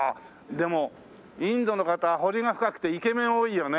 でもインドの方彫りが深くてイケメン多いよね。